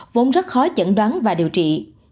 vốn rất khó chẩn đoán và điều trị